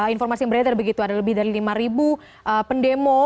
informasi yang berita lebih dari lima pendemo